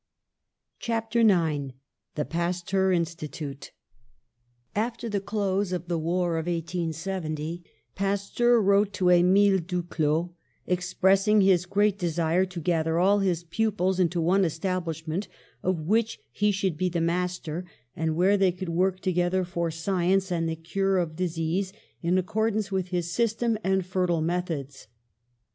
CHAPTER IX THE PASTEUR INSTITUTE AFTER the close of the war of 1870 Pas teur wrote to Emile Duclaux, expressing his great desire to gather all his pupils into one establishment of which he should be the mas ter, and where they could work together for science and the cure of disease, in accordance with his system and fertile methods.